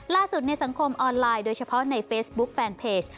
ในสังคมออนไลน์โดยเฉพาะในเฟซบุ๊คแฟนเพจ